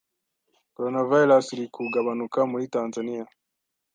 Coronavirus iri kugabanuka muri Tanzania?